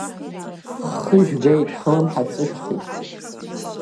Ҳхы жәгеит, ҳлымҳа ҵышәхит!